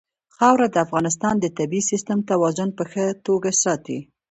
خاوره د افغانستان د طبعي سیسټم توازن په ښه توګه ساتي.